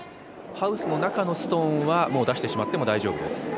ハウスの中のストーンはもう出してしまっても大丈夫です。